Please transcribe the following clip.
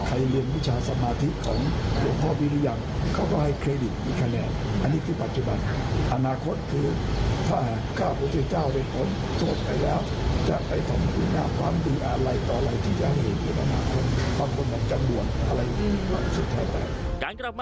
ใครเรียนวิชาสมาธิปของเพราะพ่อวิริยัม